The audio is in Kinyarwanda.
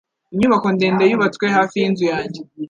Inyubako ndende yubatswe hafi yinzu yanjye.